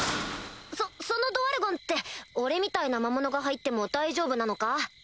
そそのドワルゴンって俺みたいな魔物が入っても大丈夫なのか？